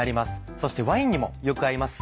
そしてワインにもよく合います。